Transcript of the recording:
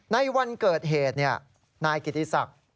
ในวันเกิดเหตุนายกิติศักดิ์